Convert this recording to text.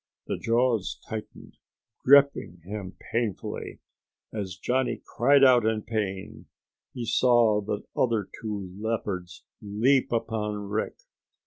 The jaws tightened, gripping him painfully. As Johnny cried out in pain he saw the other two leopards leap upon Rick.